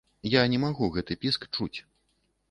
Я не магу гэты піск чуць.